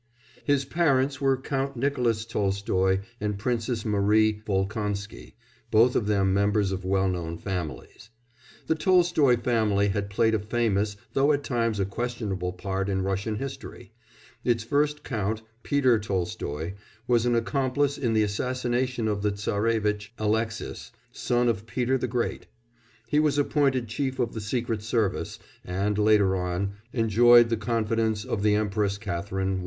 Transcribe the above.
His parents were Count Nicolas Tolstoy and Princess Marie Volkonsky, both of them members of well known families. The Tolstoy family had played a famous, though at times a questionable part in Russian history; its first Count Peter Tolstoy was an accomplice in the assassination of the Tsarevitch Alexis, son of Peter the Great; he was appointed Chief of the Secret Service, and, later on, enjoyed the confidence of the Empress Catherine I.